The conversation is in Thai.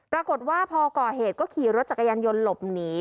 ปรากฏว่าพอก่อเหตุก็ขี่รถจักรยานยนต์หลบหนี